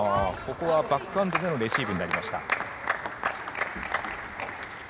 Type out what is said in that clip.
バックハンドでのレシーブになりました。